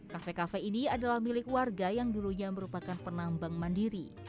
kafe kafe ini adalah milik warga yang dulunya merupakan penambang mandiri